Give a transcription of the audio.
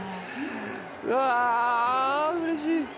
うわ、うれしい。